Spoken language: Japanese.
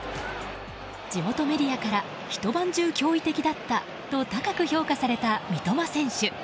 地元メディアから一晩中驚異的だったと高く評価された三笘選手。